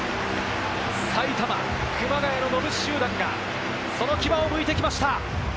埼玉・熊谷ののろし集団が、その牙を剥いてきました。